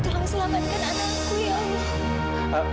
tolong selamatkan anakku ya allah